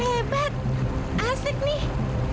hebat asik nih